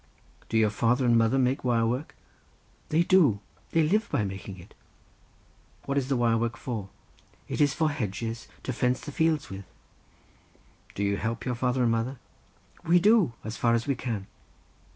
"Do your father and mother make wire work?" "They do. They live by making it." "What is the wire work for?" "It is for hedges to fence the fields with." "Do you help your father and mother?" "We do; as far as we can."